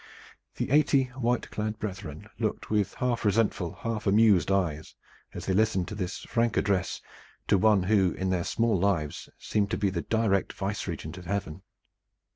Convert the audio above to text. The eighty white clad brethren looked with half resentful, half amused eyes as they listened to this frank address to one who, in their small lives, seemed to be the direct vice regent of Heaven.